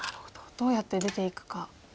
どうやって出ていくかですね。